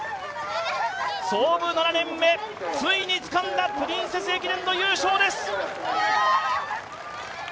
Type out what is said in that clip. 創部７年目、ついにつかんだプリンセス駅伝の優勝です。